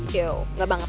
yo gak banget